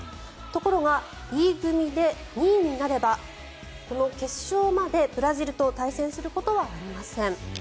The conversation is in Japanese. ところが、Ｅ組で２位になればこの決勝までブラジルと対戦することはありません。